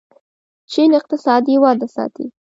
چین اقتصادي وده ساتي.